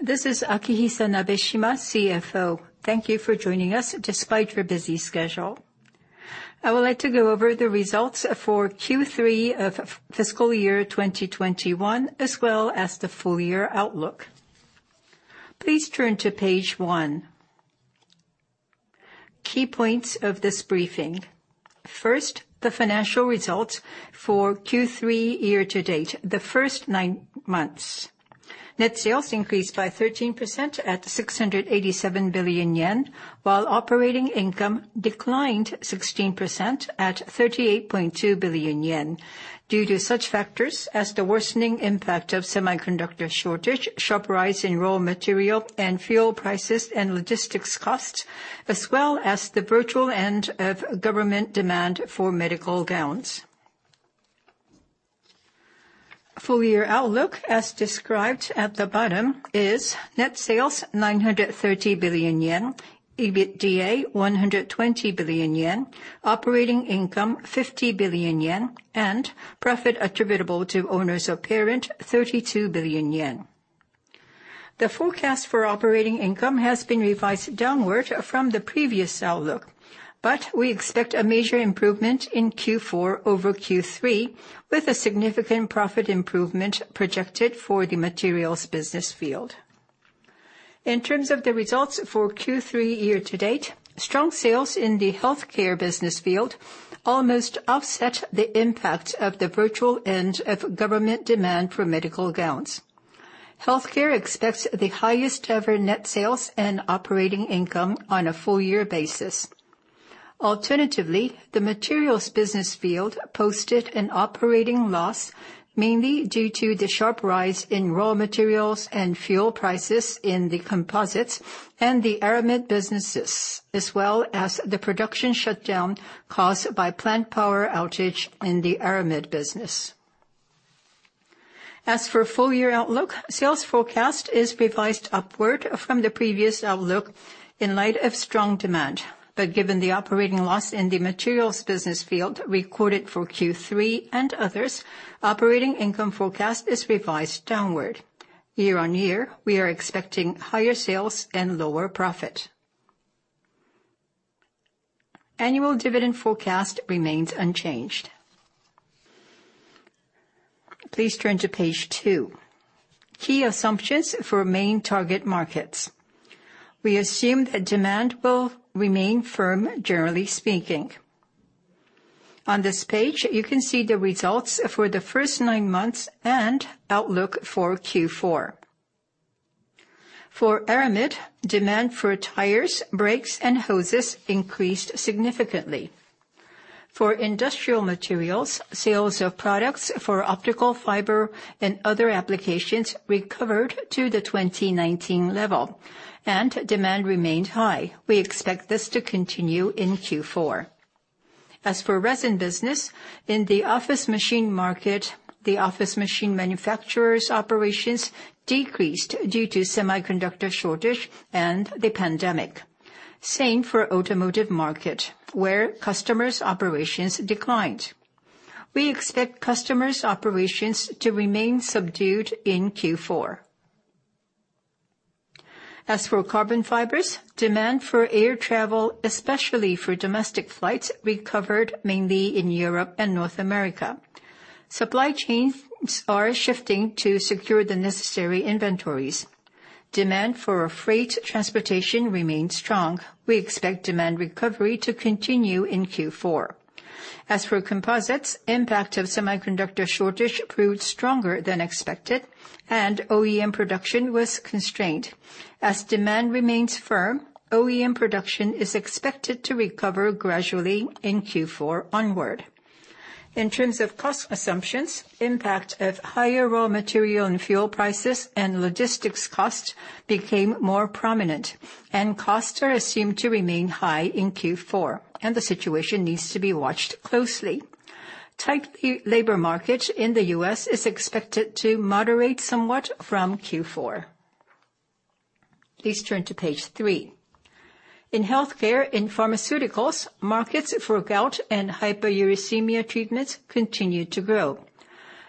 This is Akihisa Nabeshima, CFO. Thank you for joining us despite your busy schedule. I would like to go over the results for Q3 of fiscal year 2021, as well as the full year outlook. Please turn to page 1. Key points of this briefing. First, the financial results for Q3 year-to-date, the first nine months. Net sales increased by 13% at 687 billion yen, while operating income declined 16% at 38.2 billion yen due to factors including the worsening impact of the semiconductor shortage, a sharp rise in raw material and fuel prices, and higher logistics costs as well as the near cessation of government demand for medical gowns. The full-year outlook, as described at the bottom, includes net sales of 930 billion yen, EBITDA 120 billion yen, operating income 50 billion yen, and profit attributable to owners of parent 32 billion yen. The forecast for operating income has been revised downward from the previous outlook, but we expect a major improvement in Q4 over Q3, with a significant profit improvement projected for the materials business. In terms of the results for Q3 year-to-date, strong sales in the healthcare business field almost offset the impact of the near cessation of government demand for medical gowns. Healthcare expects the highest ever net sales and operating income on a full year basis. Alternatively, the materials business field posted an operating loss, mainly due to the sharp rise in raw materials and fuel prices in the composites and the aramid businesses, as well as the production shutdown caused by plant power outage in the aramid business. As for full year outlook, sales forecast is revised upward from the previous outlook in light of strong demand. Given the operating loss in the materials business field recorded for Q3 and others, operating income forecast is revised downward. Year-on-year, we are expecting higher sales and lower profit. Annual dividend forecast remains unchanged. Please turn to page two. Key assumptions for main target markets. We assume that demand will remain firm, generally speaking. On this page, you can see the results for the first nine months and outlook for Q4. For aramid, demand for tires, brakes, and hoses increased significantly. For industrial materials, sales of products for optical fiber and other applications recovered to the 2019 level and demand remained high. We expect this to continue in Q4. As for resin business, in the office machine market, the office machine manufacturer's operations decreased due to semiconductor shortage and the pandemic. Same for automotive market, where customers' operations declined. We expect customers' operations to remain subdued in Q4. As for carbon fibers, demand for air travel, especially for domestic flights, recovered mainly in Europe and North America. Supply chains are shifting to secure the necessary inventories. Demand for freight transportation remains strong. We expect demand recovery to continue in Q4. As for composites, impact of semiconductor shortage proved stronger than expected and OEM production was constrained. As demand remains firm, OEM production is expected to recover gradually in Q4 onward. In terms of cost assumptions, impact of higher raw material and fuel prices and logistics costs became more prominent, and costs are assumed to remain high in Q4, and the situation needs to be watched closely. Tight labor market in the U.S. is expected to moderate somewhat from Q4. Please turn to page three. In healthcare, in pharmaceuticals, markets for gout and hyperuricemia treatments continued to grow.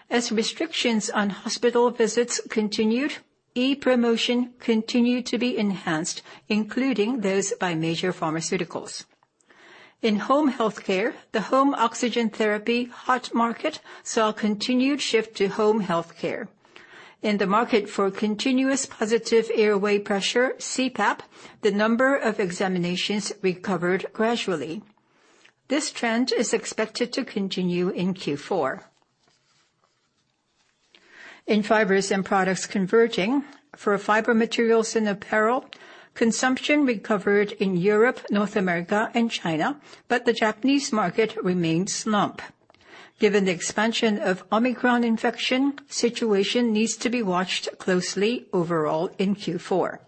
As restrictions on hospital visits continued, e-promotion continued to be enhanced, including those by major pharmaceuticals. In home healthcare, the home oxygen therapy, HOT, market saw a continued shift to home healthcare. In the market for continuous positive airway pressure, CPAP, the number of examinations recovered gradually. This trend is expected to continue in Q4. In Fibers & Products Converting, for fiber materials in apparel, consumption recovered in Europe, North America, and China, but the Japanese market remained slump. Given the expansion of Omicron infection, situation needs to be watched closely overall in Q4.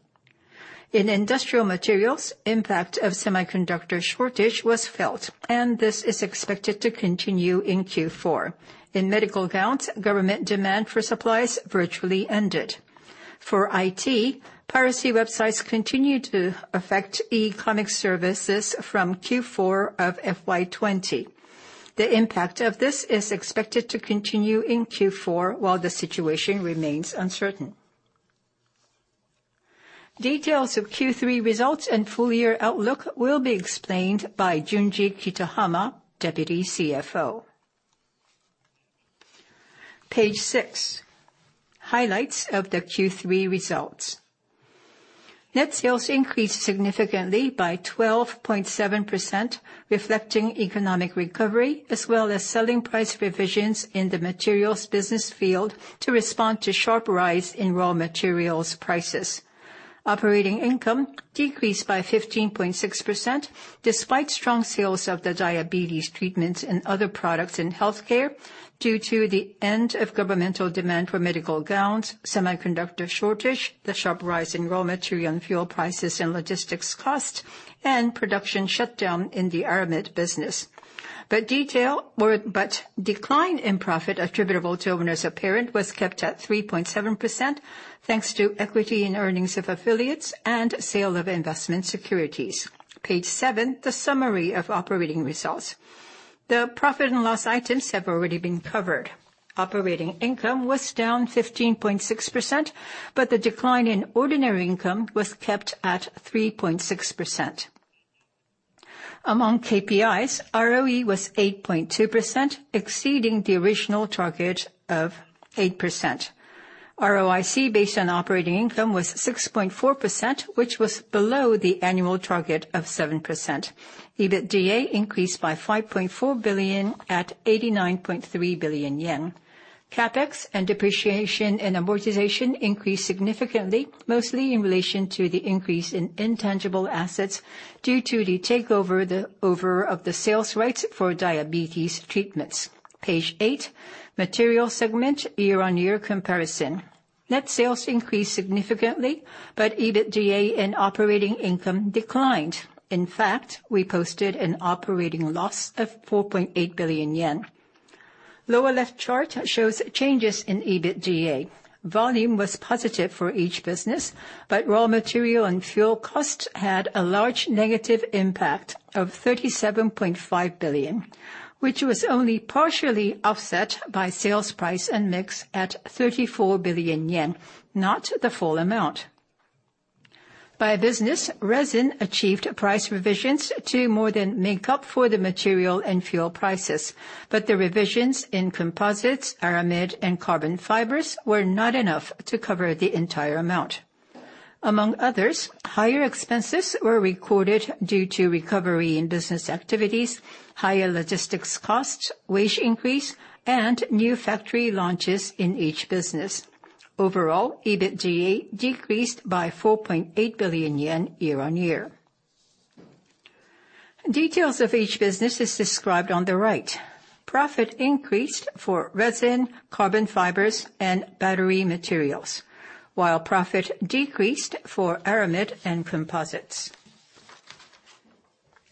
In industrial materials, impact of semiconductor shortage was felt, and this is expected to continue in Q4. In medical gowns, government demand for supplies virtually ended. For IT, piracy websites continued to affect e-comic services from Q4 of FY 2020. The impact of this is expected to continue in Q4 while the situation remains uncertain. Details of Q3 results and full year outlook will be explained by Junji Kitahama, Deputy CFO. Page 6, highlights of the Q3 results. Net sales increased significantly by 12.7%, reflecting economic recovery as well as selling price revisions in the materials business field to respond to sharp rise in raw materials prices. Operating income decreased by 15.6% despite strong sales of the diabetes treatments and other products in healthcare due to the end of governmental demand for medical gowns, semiconductor shortage, the sharp rise in raw material and fuel prices and logistics costs, and production shutdown in the aramid business. The decline in profit attributable to owners of the parent was limited to 3.7%, thanks to equity in earnings of affiliates and sale of investment securities. Page seven, the summary of operating results. The profit and loss items have been covered. Operating income was down 15.6%, but the decline in ordinary income was kept at 3.6%. Among KPIs, ROE was 8.2%, exceeding the original target of 8%. ROIC based on operating income was 6.4%, which was below the annual target of 7%. EBITDA increased by 5.4 billion to 89.3 billion yen. Capital expenditure (CapEx) and depreciation and amortization increased significantly, mostly in relation to the increase in intangible assets due to the takeover of the sales rights for diabetes treatments. Page 8, material segment year-on-year comparison. Net sales increased significantly, but EBITDA and operating income declined. In fact, we posted an operating loss of 4.8 billion yen. Lower left chart shows changes in EBITDA. Volume was positive for each business, but raw material and fuel costs had a large negative impact of 37.5 billion, which was only partially offset by sales price and mix at 34 billion yen, not the full amount. By business, resin achieved price revisions to more than make up for the material and fuel prices. The revisions in composites, aramid, and carbon fibers were not enough to cover the entire amount. Among others, higher expenses were recorded due to recovery in business activities, higher logistics costs, wage increase, and new factory launches in each business. Overall, EBITDA decreased by 4.8 billion yen year-on-year. Details of each business is described on the right. Profit increased for resin, carbon fibers, and battery materials, while profit decreased for aramid and composites.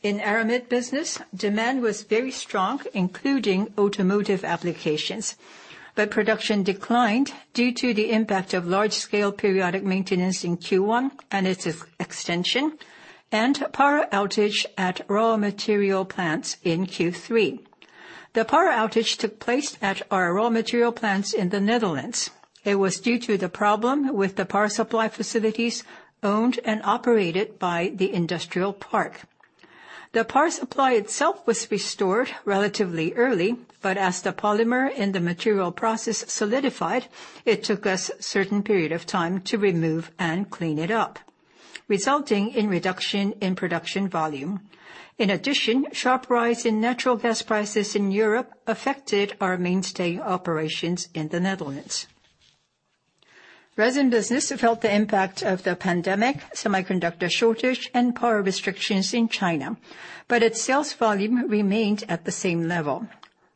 In aramid business, demand was very strong, including automotive applications. Production declined due to the impact of large-scale periodic maintenance in Q1 and its extension and power outage at raw material plants in Q3. The power outage took place at our raw material plants in the Netherlands. It was due to the problem with the power supply facilities owned and operated by the industrial park. The power supply itself was restored relatively early, but as the polymer in the material process solidified, it took us a certain period of time to remove and clean it up, resulting in a reduction in production volume. In addition, sharp rise in natural gas prices in Europe affected our mainstay operations in the Netherlands. Resin business felt the impact of the pandemic, semiconductor shortage, and power restrictions in China, but its sales volume remained at the same level.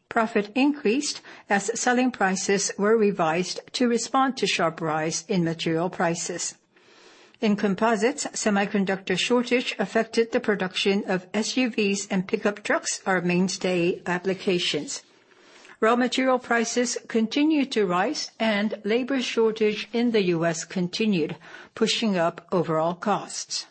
Profit increased as selling prices were revised to respond to sharp rise in material prices. In composites, semiconductor shortage affected the production of SUVs and pickup trucks, our mainstay applications. Raw material prices continued to rise, and labor shortage in the U.S. continued, pushing up overall costs.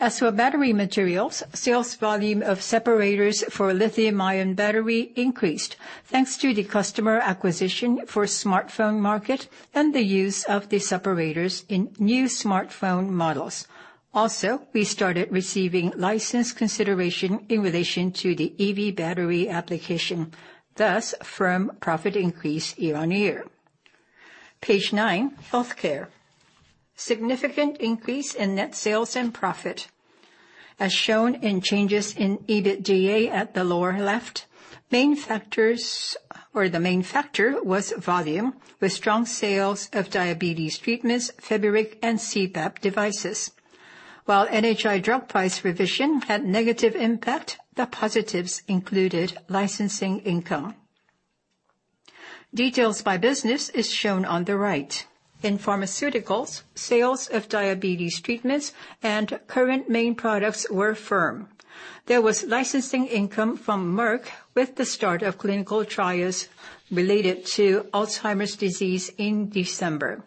As for battery materials, sales volume of separators for lithium-ion battery increased, thanks to the customer acquisition for smartphone market and the use of the separators in new smartphone models. Also, we started receiving license consideration in relation to the EV battery application, thus firm profit increase year-over-year. Page 9, Healthcare. Significant increase in net sales and profit. As shown in changes in EBITDA at the lower left, the main factor was volume with strong sales of diabetes treatments, Feburic, and CPAP devices. While NHI drug price revision had negative impact, the positives included licensing income. Details by business is shown on the right. In pharmaceuticals, sales of diabetes treatments and current main products were firm. There was licensing income from Merck with the start of clinical trials related to Alzheimer's disease in December.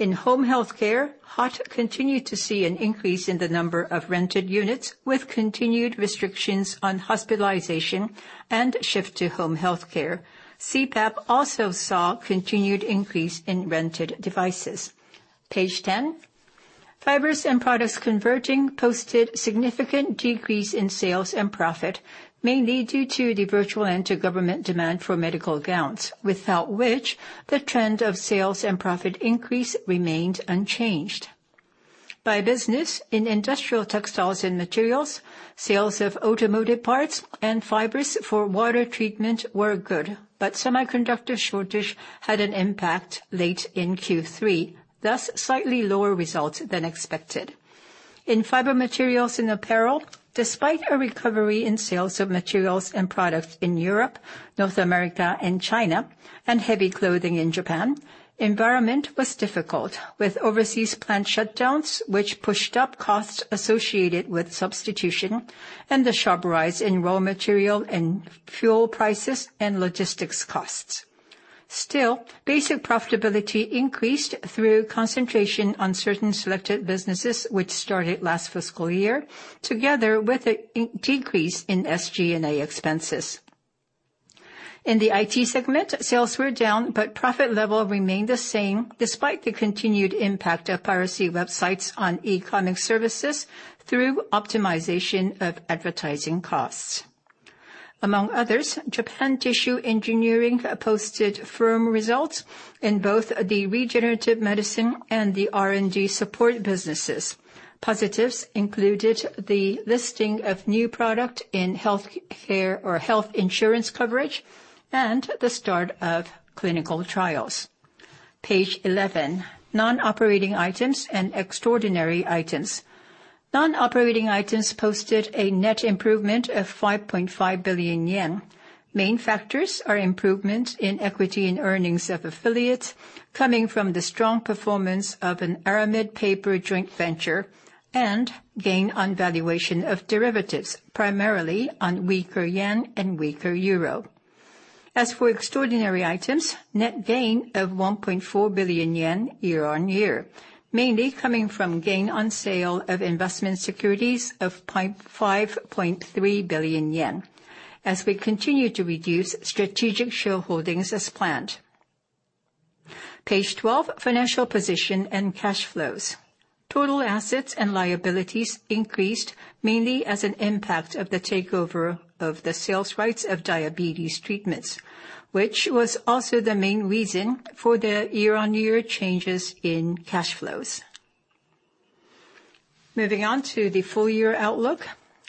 In home healthcare, HOT continued to see an increase in the number of rented units with continued restrictions on hospitalization and shift to home healthcare. CPAP also saw continued increase in rented devices. Page 10. Fibers & Products Converting posted significant decrease in sales and profit, mainly due to the virtual end to government demand for medical gowns, without which the trend of sales and profit increase remained unchanged. By business, in Industrial Textiles and Materials, sales of automotive parts and fibers for water treatment were good, but semiconductor shortage had an impact late in Q3, thus slightly lower results than expected. In Fiber Materials and Apparel, despite a recovery in sales of materials and products in Europe, North America, and China, and heavy clothing in Japan, the environment was difficult, with overseas plant shutdowns which pushed up costs associated with substitution and the sharp rise in raw material and fuel prices and logistics costs. Still, basic profitability increased through concentration on certain selected businesses which started last fiscal year, together with a decrease in SG&A expenses. In the IT segment, sales were down, but profit level remained the same despite the continued impact of piracy websites on e-commerce services through optimization of advertising costs. Among others, Japan Tissue Engineering posted firm results in both the regenerative medicine and the R&D support businesses. Positives included the listing of new product in healthcare or health insurance coverage and the start of clinical trials. Page 11, non-operating items and extraordinary items. Non-operating items posted a net improvement of 5.5 billion yen. Main factors are improvement in equity and earnings of affiliates coming from the strong performance of an aramid paper joint venture and gain on valuation of derivatives, primarily on weaker yen and weaker euro. As for extraordinary items, net gain of 1.4 billion yen year-on-year, mainly coming from gain on sale of investment securities of 5.3 billion yen as we continue to reduce strategic shareholdings as planned. Page 12, financial position and cash flows. Total assets and liabilities increased mainly as an impact of the takeover of the sales rights of diabetes treatments, which was also the main reason for the year-on-year changes in cash flows. Moving on to the full year outlook,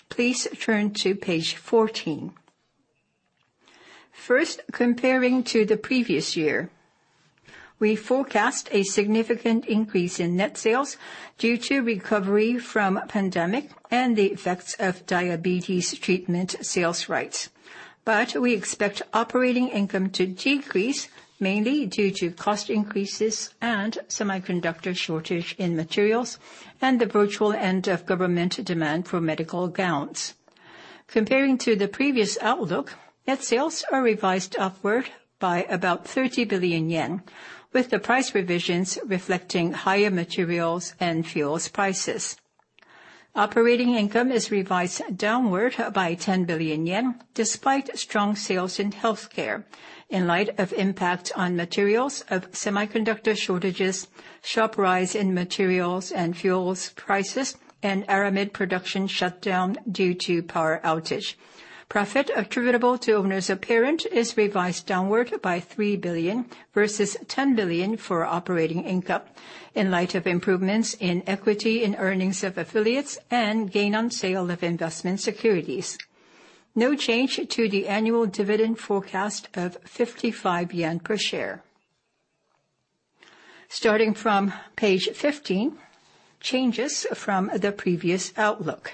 please turn to page 14. First, comparing to the previous year, we forecast a significant increase in net sales due to recovery from pandemic and the effects of diabetes treatment sales rights. We expect operating income to decrease mainly due to cost increases and semiconductor shortage in materials and the near cessation of government demand for medical gowns. Comparing to the previous outlook, net sales are revised upward by about 30 billion yen, with the price revisions reflecting higher materials and fuels prices. Operating income is revised downward by 10 billion yen despite strong sales in healthcare in light of the impact of semiconductor shortages on the Materials business, sharp rise in materials and fuels prices, and aramid production shutdown due to power outage. Profit attributable to owners of parent is revised downward by JPY 3 billion versus JPY 10 billion for operating income in light of improvements in equity in earnings of affiliates and gain on sale of investment securities. No change to the annual dividend forecast of 55 yen per share. Starting from page 15, changes from the previous outlook.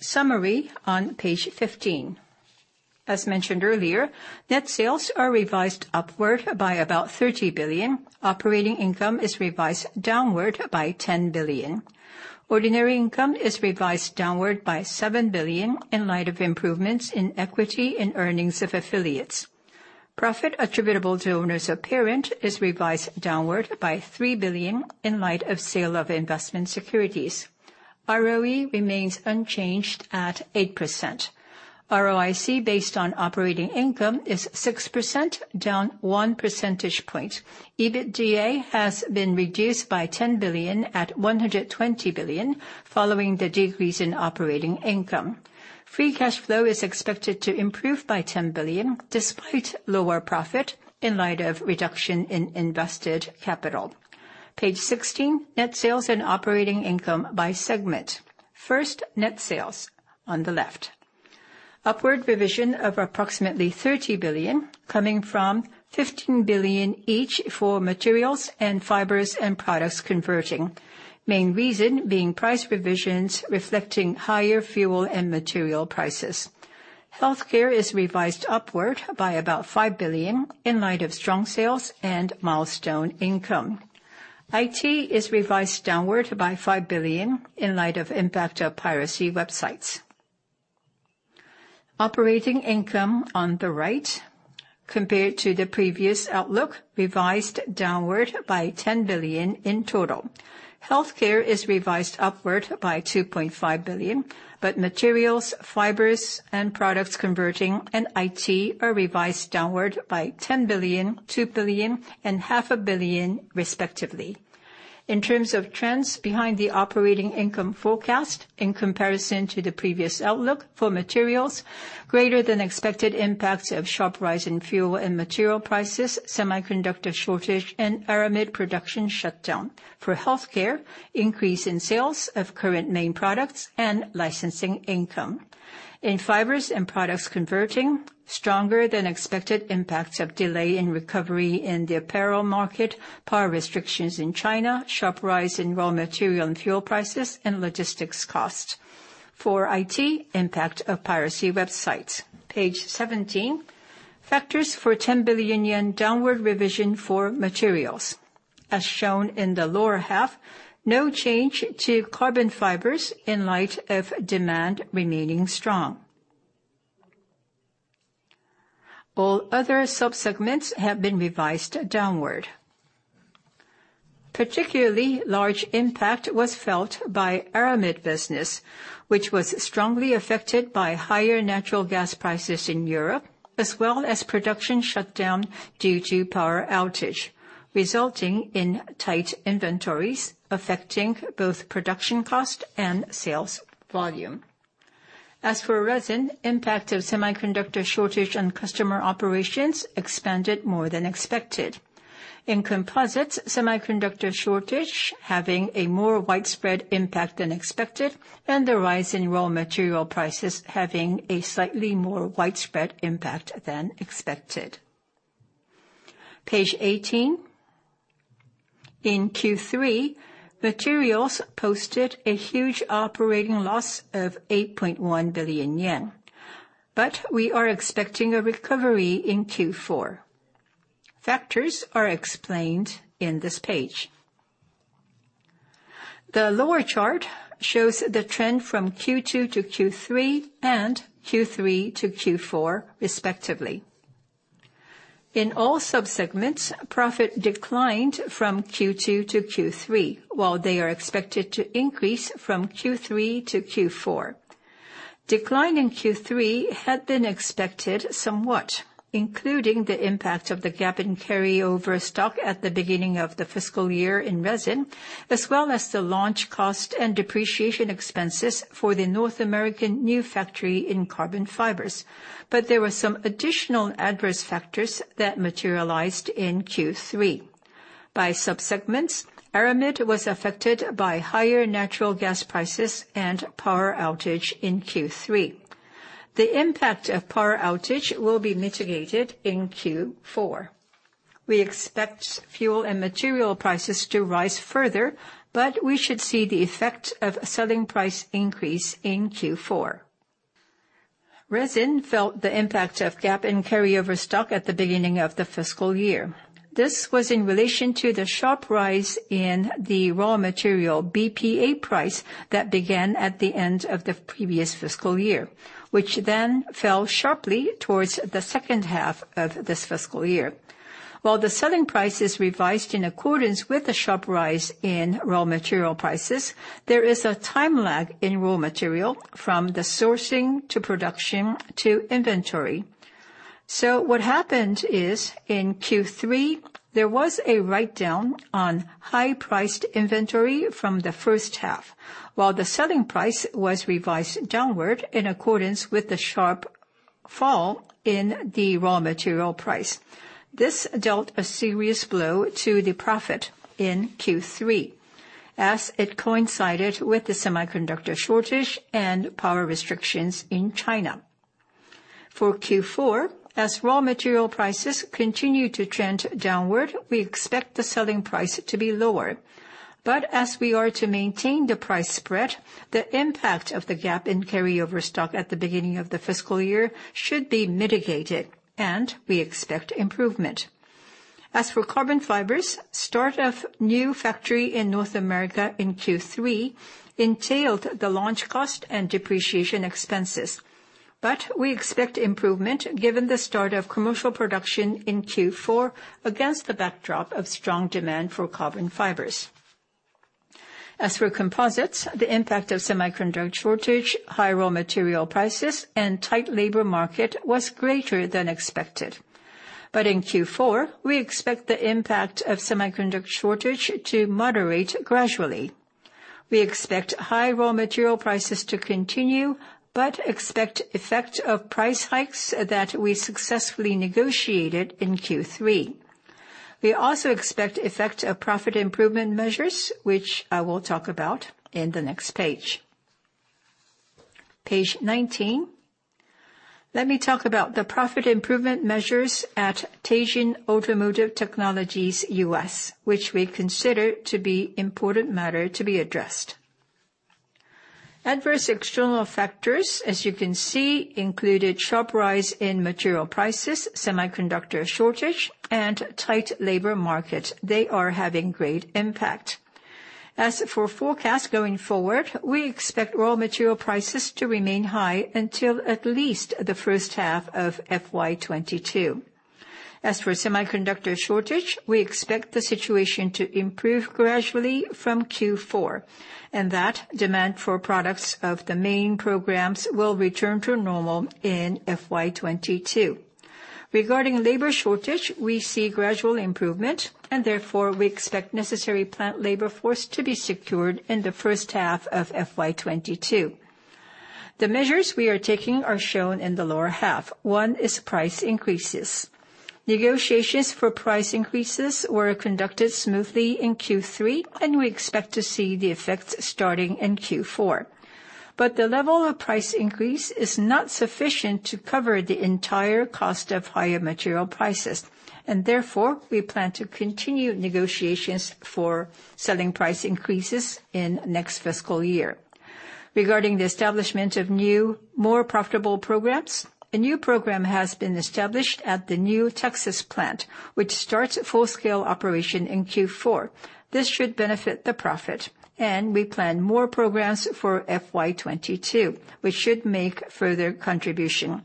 Summary on page 15. As mentioned earlier, net sales are revised upward by about 30 billion. Operating income is revised downward by 10 billion. Ordinary income is revised downward by 7 billion in light of improvements in equity in earnings of affiliates. Profit attributable to owners of parent is revised downward by JPY 3 billion in light of sale of investment securities. ROE remains unchanged at 8%. ROIC based on operating income is 6%, down 1 percentage point. EBITDA has been reduced by 10 billion to 120 billion following the decrease in operating income. Free cash flow is expected to improve by 10 billion despite lower profit in light of reduction in invested capital. Page 16, net sales and operating income by segment. First, net sales on the left. Upward revision of approximately 30 billion coming from 15 billion each for materials and fibers and products converting, main reason being price revisions reflecting higher fuel and material prices. Healthcare is revised upward by about 5 billion in light of strong sales and milestone income. IT is revised downward by 5 billion in light of impact of piracy websites. Operating income on the right, compared to the previous outlook, revised downward by 10 billion in total. Healthcare is revised upward by 2.5 billion, but Materials, Fibers and Products Converting, and IT are revised downward by 10 billion, 2 billion, and JPY half a billion respectively. In terms of trends behind the operating income forecast in comparison to the previous outlook for Materials, greater-than-expected impacts of the sharp rise in fuel and material prices, semiconductor shortage, and aramid production shutdown. For Healthcare, increase in sales of current main products and licensing income. In Fibers and Products Converting, stronger than expected impacts of delay in recovery in the apparel market, power restrictions in China, sharp rise in raw material and fuel prices, and logistics costs. For IT, impact of piracy websites. Page 17, factors for 10 billion yen downward revision for Materials. As shown in the lower half, no change to carbon fibers in light of demand remaining strong. All other sub-segments have been revised downward. Particularly large impact was felt by aramid business, which was strongly affected by higher natural gas prices in Europe, as well as production shutdown due to power outage, resulting in tight inventories affecting both production cost and sales volume. As for resin, impact of semiconductor shortage on customer operations expanded more than expected. In composites, semiconductor shortage having a more widespread impact than expected, and the rise in raw material prices having a slightly more widespread impact than expected. Page 18, in Q3, materials posted a huge operating loss of 8.1 billion yen. We are expecting a recovery in Q4. Factors are explained in this page. The lower chart shows the trend from Q2 to Q3 and Q3 to Q4, respectively. In all sub-segments, profit declined from Q2 to Q3, while they are expected to increase from Q3 to Q4. Decline in Q3 had been expected somewhat, including the impact of the gap in carryover stock at the beginning of the fiscal year in resin, as well as the launch cost and depreciation expenses for the North American new factory in carbon fibers. There were some additional adverse factors that materialized in Q3. By sub-segments, aramid was affected by higher natural gas prices and power outage in Q3. The impact of power outage will be mitigated in Q4. We expect fuel and material prices to rise further, but we should see the effect of selling price increase in Q4. Resin felt the impact of gap in carryover stock at the beginning of the fiscal year. This was in relation to the sharp rise in the raw material BPA price that began at the end of the previous fiscal year, which then fell sharply towards the second half of this fiscal year. While the selling price is revised in accordance with the sharp rise in raw material prices, there is a time lag in raw material from the sourcing to production to inventory. What happened is in Q3, there was a write-down on high-priced inventory from the first half, while the selling price was revised downward in accordance with the sharp fall in the raw material price. This dealt a serious blow to the profit in Q3 as it coincided with the semiconductor shortage and power restrictions in China. For Q4, as raw material prices continue to trend downward, we expect the selling price to be lower. As we are to maintain the price spread, the impact of the gap in carryover stock at the beginning of the fiscal year should be mitigated, and we expect improvement. As for carbon fibers, start of new factory in North America in Q3 entailed the launch cost and depreciation expenses. We expect improvement given the start of commercial production in Q4 against the backdrop of strong demand for carbon fibers. As for composites, the impact of semiconductor shortage, high raw material prices, and tight labor market was greater than expected. In Q4, we expect the impact of semiconductor shortage to moderate gradually. We expect high raw material prices to continue, but expect effect of price hikes that we successfully negotiated in Q3. We also expect effect of profit improvement measures, which I will talk about in the next page. Page 19, let me talk about the profit improvement measures at Teijin Automotive Technologies U.S., which we consider to be an important matter to be addressed. Adverse external factors, as you can see, included sharp rise in material prices, semiconductor shortage, and tight labor market. They are having great impact. As for forecast going forward, we expect raw material prices to remain high until at least the first half of FY 2022. As for semiconductor shortage, we expect the situation to improve gradually from Q4, and that demand for products of the main programs will return to normal in FY 2022. Regarding labor shortage, we see gradual improvement and therefore we expect necessary plant labor force to be secured in the first half of FY 2022. The measures we are taking are shown in the lower half. One is price increases. Negotiations for price increases were conducted smoothly in Q3, and we expect to see the effects starting in Q4. The level of price increase is not sufficient to cover the entire cost of higher material prices, and therefore we plan to continue negotiations for selling price increases in next fiscal year. Regarding the establishment of new, more profitable programs, a new program has been established at the new Texas plant, which starts full scale operation in Q4. This should benefit the profit, and we plan more programs for FY 2022, which should make further contribution.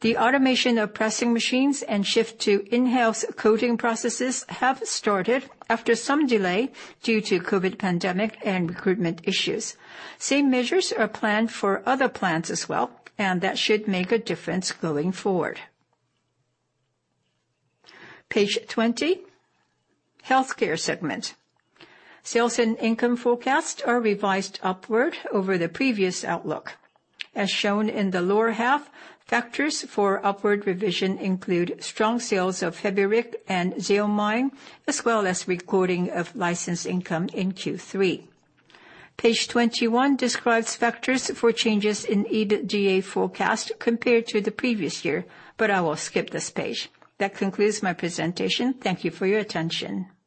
The automation of pressing machines and shift to in-house coding processes have started after some delay due to COVID pandemic and recruitment issues. Same measures are planned for other plants as well, and that should make a difference going forward. Page 20, Healthcare segment. Sales and income forecasts are revised upward over the previous outlook. As shown in the lower half, factors for upward revision include strong sales of Feburic and Xeljanz, as well as recording of license income in Q3. Page 21 describes factors for changes in SG&A forecast compared to the previous year. I will skip this page. That concludes my presentation. Thank you for your attention.